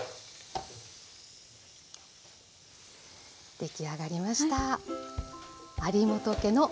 出来上がりました。